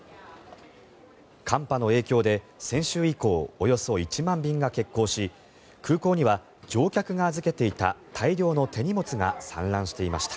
寒波の影響で先週以降およそ１万便が欠航し空港には乗客が預けていた大量の手荷物が散乱していました。